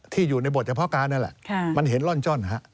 ที่อยู่ในบทเฉพาะการนั่นแหละมันเห็นร่อนจ้อน